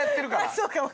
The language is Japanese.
そうかも。